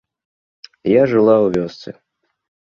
Я жыла ў вёсцы.